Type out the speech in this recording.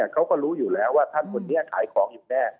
เขาก็รู้อยู่แล้วว่าท่านคนนี้ขายของอยู่แน่